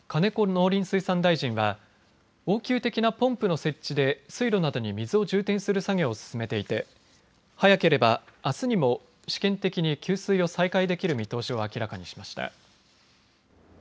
農林水産大臣は応急的なポンプの設置で水路などに水を充填する作業を進めていて早ければあすにも試験的に給水を再開できる見通しを明らかにしました。